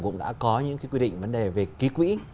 cũng đã có những quy định vấn đề về ký quỹ